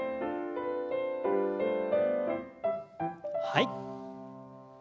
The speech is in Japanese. はい。